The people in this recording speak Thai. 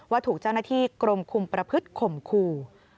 ถูกเจ้าหน้าที่กรมคุมประพฤติข่มขู่